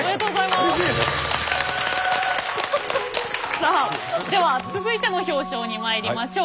さあでは続いての表彰にまいりましょう。